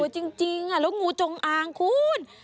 จริงแล้วงูจงอางคุณ